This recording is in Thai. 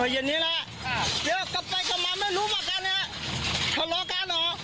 เดี๋ยวกลับไปกับมันไม่รู้ไปกัน